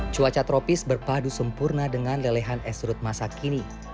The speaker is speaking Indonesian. cuaca tropis berpadu sempurna dengan lelehan esrut masa kini